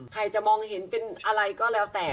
ใครจะมองเห็นเป็นอะไรก็แล้วแต่